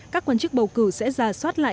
các quan chức bầu cử sẽ ra soát lại